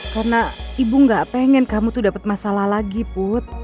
karena ibu gak pengen kamu tuh dapet masalah lagi put